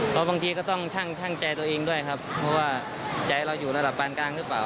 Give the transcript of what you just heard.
เพราะบางทีก็ต้องชั่งใจตัวเองด้วยครับเพราะว่าใจเราอยู่ระดับปานกลางหรือเปล่า